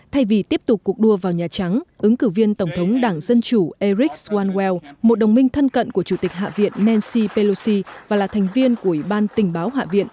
thay vì tiếp tục cuộc đua vào nhà trắng ứng cử viên tổng thống đảng dân chủ eric swalwell một đồng minh thân cận của chủ tịch hạ viện nancy pelosi và là thành viên của ủy ban tình báo hạ viện